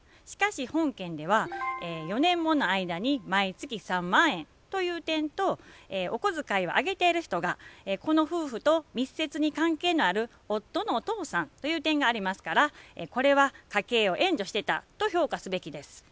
しかし本件では４年もの間に毎月３万円という点とお小遣いをあげている人がこの夫婦と密接に関係のある夫のお父さんという点がありますからこれは家計を援助してたと評価すべきです。